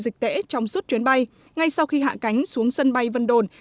dịch tễ trong suốt chuyến bay ngay sau khi hạ cánh xuống sân bay vân đồn